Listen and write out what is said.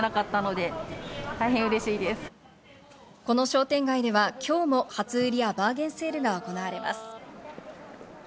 この商店街では今日も初売りやバーゲンセールが行われます。